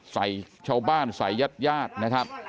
ใส่ชาวบ้านใส่ญาติญาตินะครับ